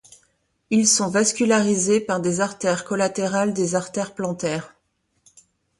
Ils sont vascularisés par des artères collatérales des artères plantaires.